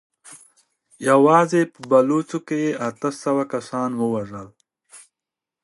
يواځې په بلوڅو کې يې اته سوه کسان ووژل.